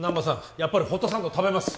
やっぱりホットサンド食べます